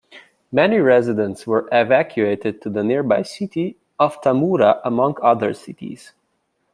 Many residents were evacuated to the nearby city of Tamura, among other cities.